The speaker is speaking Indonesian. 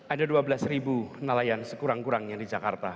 ada dua belas nelayan sekurang kurangnya di jakarta